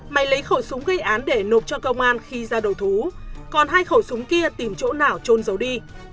máy lấy khẩu súng gây án để nộp cho công an khi ra đầu thú còn hai khẩu súng kia tìm chỗ nào trôn dầu đi